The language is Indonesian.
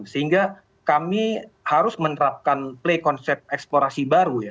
sehingga kami harus menerapkan play konsep eksplorasi baru ya